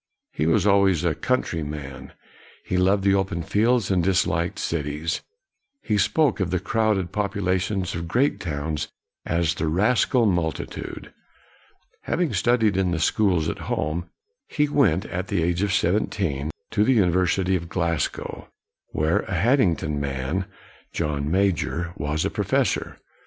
He was always a country man; he loved the open fields and disliked cities. He spoke of the crowded popula tions of great towns as the rascal multi tude. Having studied in the schools at home, he went, at the age of seventeen, to the University of Glasgow, where a Hadding ton man, John Major, was a professor.